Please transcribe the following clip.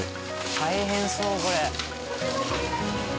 大変そうこれ。